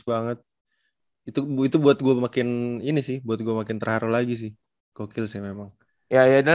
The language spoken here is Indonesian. banget itu oldu buat gue makin ini sih buat gue itu terhari lagi sih gokil saya memang ya ya dan